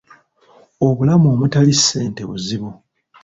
Obulamu omutali ssente buzibu.